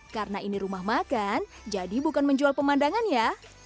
karena ini rumah makan jadi bukan menjual pemandangannya